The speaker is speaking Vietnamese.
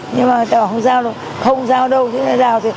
nhưng mà tôi bảo không sao đâu không sao đâu